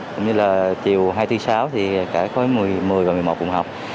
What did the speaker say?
cũng như là chiều hai bốn sáu thì cả khối một mươi một mươi một cùng học